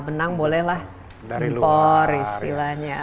benang bolehlah impor istilahnya